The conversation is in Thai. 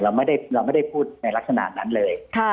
เราไม่ได้พูดในลักษณะนั้นเลย